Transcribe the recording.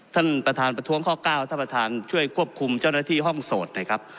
ท่านประธานประท้วงข้อ๙ท่านประธานช่วยควบคุมเจ้าหน้าที่ห้องโสดหน่อยครับ